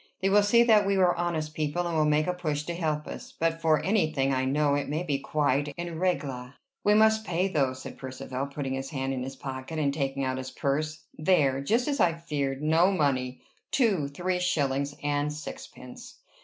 They will see that we are honest people, and will make a push to help us. But for any thing I know it may be quite en règle." "We must pay, though," said Percivale, putting his hand in his pocket, and taking out his purse. "There! Just as I feared! No money! Two three shillings and sixpence!"